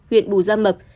huyện bù gia mập